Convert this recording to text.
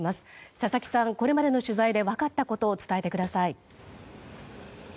佐々木さん、これまでの取材で分かったことを伝えてください。